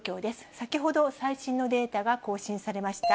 先ほど、最新のデータが更新されました。